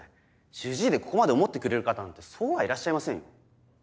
主治医でここまで思ってくれる方なんてそうはいらっしゃいませんよ。